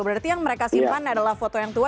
berarti yang mereka simpan adalah foto yang tua